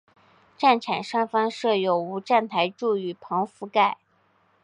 站场上方设有无站台柱雨棚覆盖。